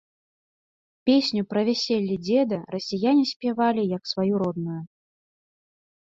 Песню пра вяселлі дзеда расіяне спявалі, як сваю родную.